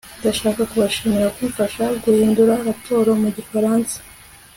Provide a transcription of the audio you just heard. ndashaka kubashimira kumfasha guhindura raporo mu gifaransa